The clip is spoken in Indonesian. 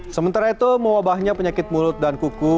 sementara itu mewabahnya penyakit mulut dan kuku